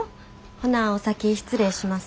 ほなお先失礼します。